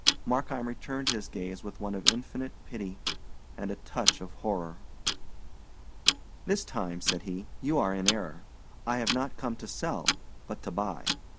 Markheim returned his gaze with one of infinite pity, and a touch of horror. "This time," said he, "you are in error. I have not come to sell, but to buy.